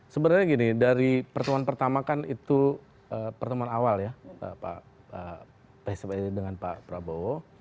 sebenarnya gini dari pertemuan pertama kan itu pertemuan awal ya pak dengan pak prabowo